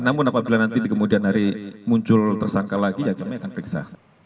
namun apabila nanti di kemudian hari muncul tersangka lagi ya kami akan periksa